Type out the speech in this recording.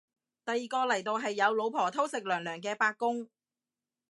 第二個嚟到係有老婆偷食娘娘嘅八公